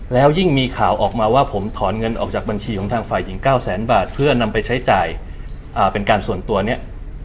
แล้วยิ่งมีข่าวออกมาว่าผมถอนเงินออกจากบัญชีของทางฝ่ายหญิง๙แสนบาทเพื่อนำไปใช้จ่ายเป็นการส่วนตัวเนี่ย